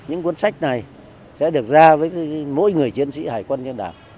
những cuốn sách này sẽ được ra với mỗi người chiến sĩ hải quân nhân đảo